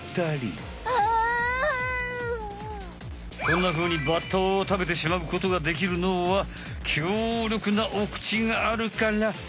こんなふうにバッタをたべてしまうことができるのは強力なおクチがあるから。